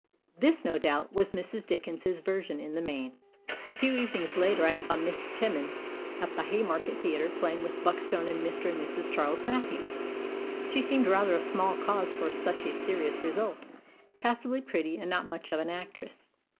This, no doubt, was Mrs. Dickens's version, in the main. A few evenings later I saw Miss Teman at the Haymarket Theatre, playing with Buckstone and Mr. and Mrs. Charles Mathews. She seemed rather a small cause for such a serious result passably pretty, and not much of an actress.